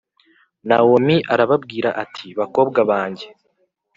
Nawomi arababwira ati bakobwa banjye